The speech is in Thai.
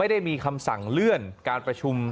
ได้มีคำสั่งเลื่อนการประชุม